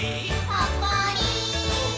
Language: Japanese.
ほっこり。